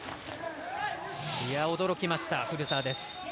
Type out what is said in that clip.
驚きました、古澤です。